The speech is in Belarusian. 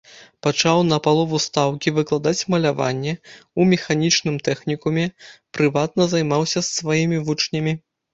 Пачаў на палову стаўкі выкладаць маляванне ў механічным тэхнікуме, прыватна займаўся з сваімі вучнямі.